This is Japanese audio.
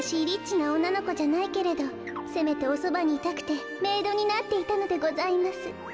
リッチなおんなのこじゃないけどせめておそばにいたくてメイドになっていたのでございます。